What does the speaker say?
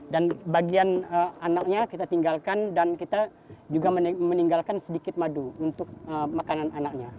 dan bagian anaknya kita tinggalkan dan kita juga meninggalkan sedikit madu untuk makanan anaknya